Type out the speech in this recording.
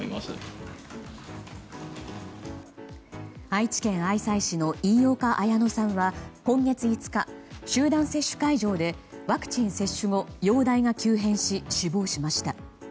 愛知県愛西市の飯岡綾乃さんは今月５日集団接種会場でワクチン接種後容体が急変し、死亡しました。